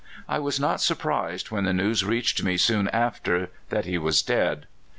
I was not surprised when the news reached me soon after that he was dead.